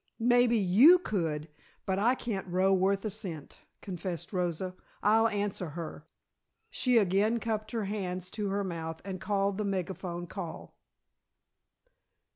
"Maybe you could, but I can't row worth a cent," confessed Rosa. "I'll answer her." She again cupped her hands to her mouth and called the megaphone call.